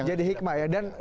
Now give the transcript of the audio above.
jadi hikmah ya